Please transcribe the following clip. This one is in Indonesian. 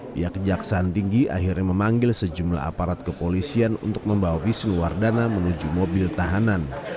pihak kejaksaan tinggi akhirnya memanggil sejumlah aparat kepolisian untuk membawa wisnu wardana menuju mobil tahanan